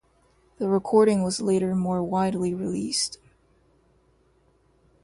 The recording was later more widely released.